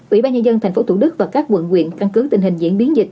ủy ban nhân dân tp hcm và các quận nguyện căn cứ tình hình diễn biến dịch